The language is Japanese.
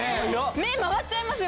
目回っちゃいますよ